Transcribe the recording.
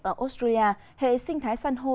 ở australia hệ sinh thái san hô